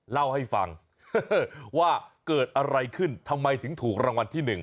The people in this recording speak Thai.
เล่าให้ฟังว่าเกิดอะไรขึ้นทำไมถึงถูกรางวัลที่๑